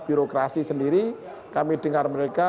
birokrasi sendiri kami dengar mereka